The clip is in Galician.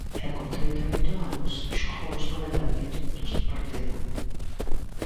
E con trinta e oito anos, xogou os noventa minutos de partido.